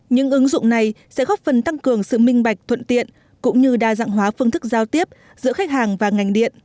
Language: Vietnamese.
những ứng dụng này sẽ góp phần tăng cường sự minh bạch thuận tiện cũng như đa dạng hóa phương thức giao tiếp giữa khách hàng và ngành điện